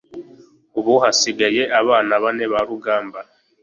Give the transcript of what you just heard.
ubu hasigaye abana bane barugamba